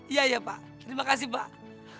iya iya pak terima kasih pak